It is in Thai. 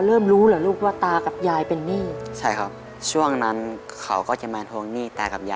ลึกลองรู้แล้วว่าตากับยายเป็นนี่